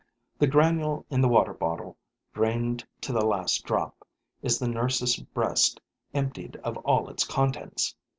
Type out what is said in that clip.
This granule is the water bottle drained to the last drop, is the nurse's breast emptied of all its contents.